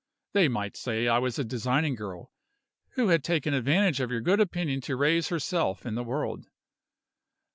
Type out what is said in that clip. They might say I was a designing girl, who had taken advantage of your good opinion to raise herself in the world.